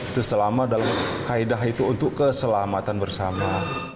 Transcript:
itu selama dalam kaedah itu untuk keselamatan bersama